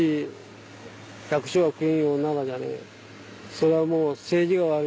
それはもう。